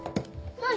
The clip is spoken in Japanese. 何？